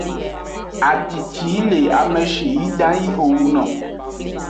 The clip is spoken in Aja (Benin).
Aci ci yi le ame shi yi ʼdan yi wo wuno.